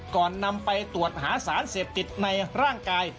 ก่อนนำไปตรวจหาสารเสพติดในร่างกาย